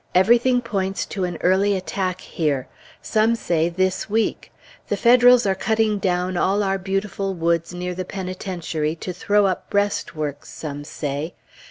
Everything points to an early attack here. Some say this week. The Federals are cutting down all our beautiful woods near the Penitentiary, to throw up breastworks, some say.